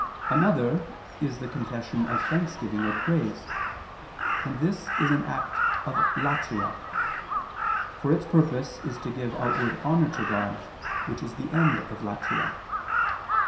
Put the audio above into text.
Another is the confession of thanksgiving or praise, and this is an act of "latria," for its purpose is to give outward honor to God, which is the end of "latria."